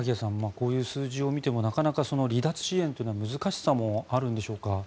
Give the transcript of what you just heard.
こういう数字を見てもなかなか離脱支援というのは難しさもあるんでしょうか。